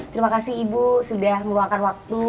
terima kasih ibu sudah meluangkan waktu